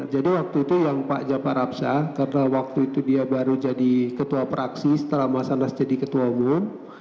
jadi waktu itu yang pak jafar rapsa karena waktu itu dia baru jadi ketua praksi setelah mas anas jadi ketua umum